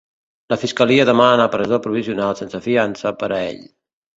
La fiscalia demana presó provisional sense fiança per a ell.